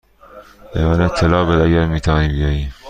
به من اطلاع بده اگر می توانی بیایی.